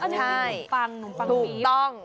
ใช่ถูกต้อง